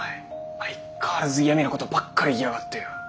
相変わらず嫌みなことばっかり言いやがってよ。